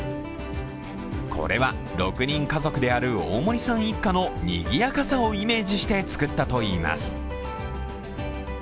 これは６人家族である大森さん一家の賑やかさをイメージして作ったといいます。